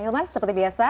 ayelman seperti biasa